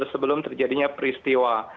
sebelum terjadinya peristiwa